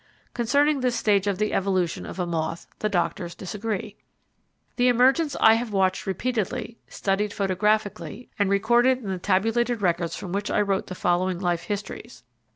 Concerning this stage of the evolution of a moth the doctors disagree. The emergence I have watched repeatedly, studied photographically, and recorded in the tabulated records from which I wrote the following life histories.